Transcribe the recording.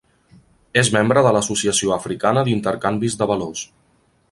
És membre de l"Associació Africana d"Intercanvis de Valors.